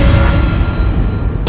aku akan menang